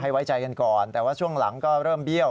ไว้ใจกันก่อนแต่ว่าช่วงหลังก็เริ่มเบี้ยว